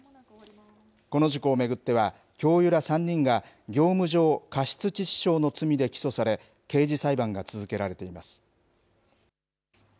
この事故を巡っては、教諭ら３人が業務上過失致死傷の罪で起訴され、刑事裁判が続けら